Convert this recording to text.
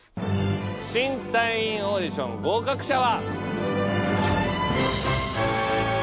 新隊員オーディション合格者は。